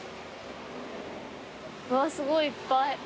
うわすごいいっぱい。